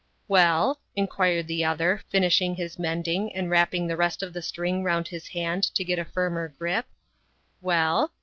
"Well?" inquired the other, finishing his mending and wrapping the rest of the string round his hand to get a firmer grip. "Well?"